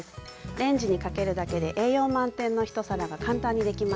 レンジにかけるだけで栄養満点の一皿が簡単にできます。